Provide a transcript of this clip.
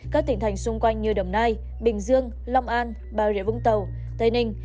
các tỉnh thành xung quanh như đồng nai bình dương long an bà rịa vũng tàu tây ninh